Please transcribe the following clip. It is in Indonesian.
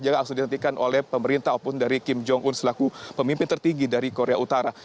jangan langsung dihentikan oleh pemerintah maupun dari kim jong un selaku pemimpin tertinggi dari korea utara